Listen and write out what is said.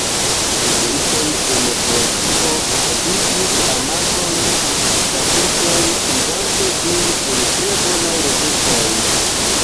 Instruistoj en Kroatio okazigis amason da kursoj uzante ĝin kun tre bonaj rezultoj.